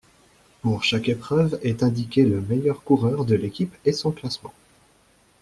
Pour chaque épreuve est indiqué le meilleur coureur de l'équipe et son classement.